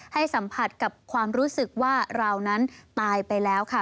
ให้สัมผัสกับความรู้สึกว่าเรานั้นตายไปแล้วค่ะ